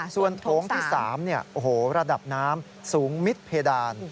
ส่วนโถงที่๓ระดับน้ำสูงมิดเพดาน